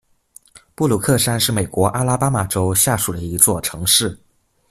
布鲁克山是美国阿拉巴马州下属的一座城市。